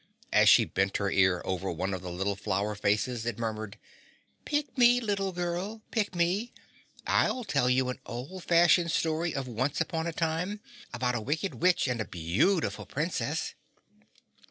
As she bent her ear over one of the little flower faces, it murmured, "Pick me, little girl, pick me! I'll tell you an old fashioned story of once upon a time about a wicked witch and a beautiful princess."